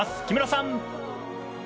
木村さん。